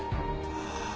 ああ。